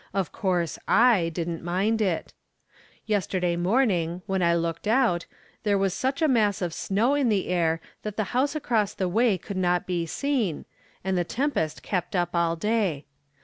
Of course I didn't mind it ! Yesterday morning, when I looked out, there was such a mass of snow in the air that the house across the way could not be seen, and the tem pest kept iip all day.